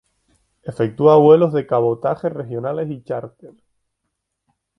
Efectúa vuelos de cabotaje, regionales y charter.